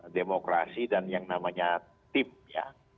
demokrasi dan yang namanya tim ya